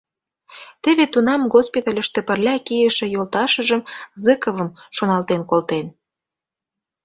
Теве тунам госпитальыште пырля кийыше йолташыжым, Зыковым, шоналтен колтен.